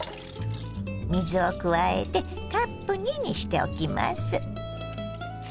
水を加えてカップ２にしておきます。